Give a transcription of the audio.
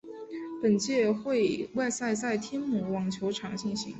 本届会外赛在天母网球场进行。